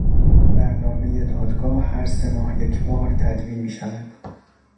برنامهی دادگاه هر سه ماه یک بار تدوین میشود.